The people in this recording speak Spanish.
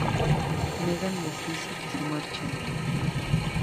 Megan les dice que se marchen.